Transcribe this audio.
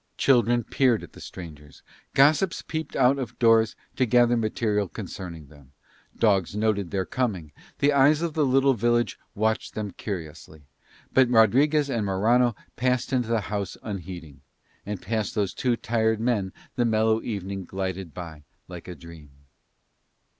Children peered at the strangers, gossips peeped out of doors to gather material concerning them, dogs noted their coming, the eyes of the little village watched them curiously, but Rodriguez and Morano passed into the house unheeding; and past those two tired men the mellow evening glided by like a dream.